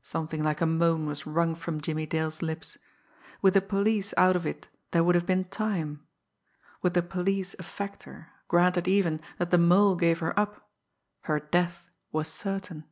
"_ Something like a moan was wrung from Jimmie Dale's lips. With the police out of it there would have been time; with the police a factor, granted even that the Mole gave her up, her death was certain.